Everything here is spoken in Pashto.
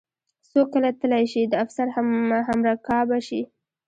څوک کله تلی شي د افسر همرکابه شي.